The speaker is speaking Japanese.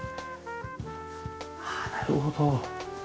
ああなるほど。